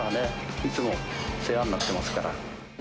いつも世話になってますから。